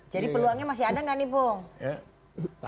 jadi peluangnya masih ada gak nih opung